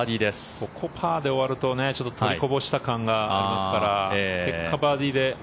ここパーで終わるとちょっと取りこぼした感がありますから結果、バーディーで。